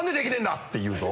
って言うぞ。